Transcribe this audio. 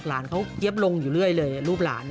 หลานเขาเจี๊ยบลงอยู่เรื่อยเลยรูปหลาน